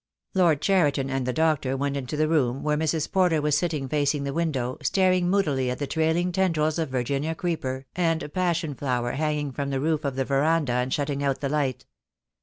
Lord Cheriton and the doctor went into the room, where Mrs. Porter was sitting facing the window, staring moodily at the trailing tendrils of Virginia creeper and passion flower hanging from the roof of the verandah and shutting out the light.